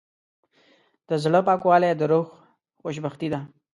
د زړه پاکوالی د روح خوشبختي ده.